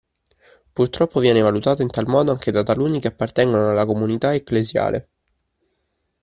Purtroppo viene valutata in tal modo anche da taluni che appartengono alla comunità ecclesiale.